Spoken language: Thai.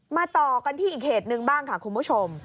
ต่อกันที่อีกเหตุหนึ่งบ้างค่ะคุณผู้ชม